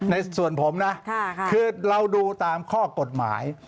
ในส่วนผมนะคือเราดูตามข้อกฎหมาย